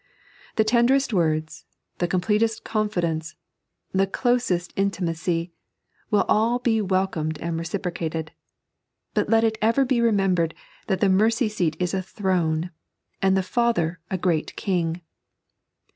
The teoderest words, the completest confidence, the closest intinuu^, will be welcomed and reciprocated. But let it ever be remembered that the meny seat is a throne, and the Father a Great King.